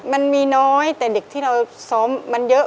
มันมีน้อยแต่เด็กที่เราซ้อมมันเยอะ